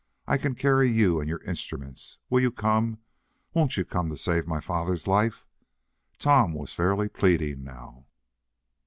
I can carry you and your instruments. Will you come? Won't you come to save my father's life?" Tom was fairly pleading now.